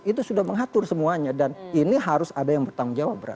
itu sudah mengatur semuanya dan ini harus ada yang bertanggung jawab berat